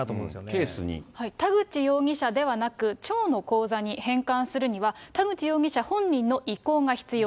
田口容疑者じゃなく、町の口座に返還するには、田口容疑者本人の意向が必要。